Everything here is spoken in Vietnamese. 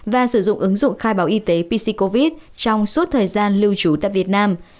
và sử dụng ứng dụng khai báo y tế pc covid trong suốt thời gian lưu trú tại việt nam